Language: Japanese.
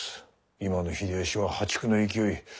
今の秀吉は破竹の勢い。